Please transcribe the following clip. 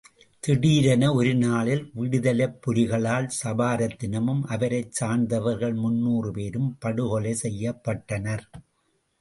திடீரென ஒரு நாளில் விடுதலைப் புலிகளால் சபாரத்தினமும் அவரைச் சார்ந்தவர்கள் முன்னூறு பேரும் படுகொலை செய்யப்பட்டனர்.